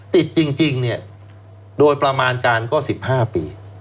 ติดจริงเนี่ยโดยประมาณการก็๑๕ปี